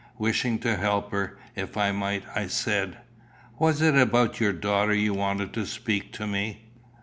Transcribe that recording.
Wishing to help her, if I might, I said "Was it about your daughter you wanted to speak to me?"